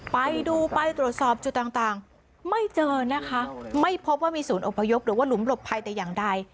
ไปดูไปตรวจสอบจุดต่างไม่เจอนะคะไม่พบว่ามีศูนย์อพยพหรือว่าหลุมหลบภัยแต่อย่างใด